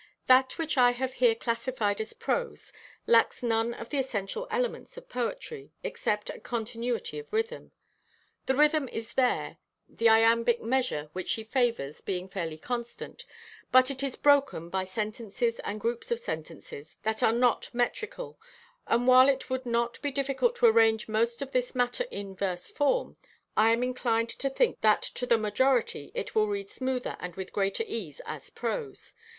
That which I have here classified as prose, lacks none of the essential elements of poetry, except a continuity of rhythm. The rhythm is there, the iambic measure which she favors being fairly constant, but it is broken by sentences and groups of sentences that are not metrical, and while it would not be difficult to arrange most of this matter in verse form, I am inclined to think that to the majority it will read smoother and with greater ease as prose.